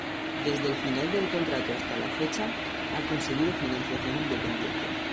Desde el final del contrato hasta la fecha, ha conseguido financiación independiente.